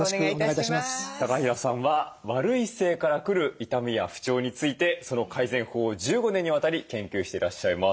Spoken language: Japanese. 高平さんは悪い姿勢から来る痛みや不調についてその改善法を１５年にわたり研究していらっしゃいます。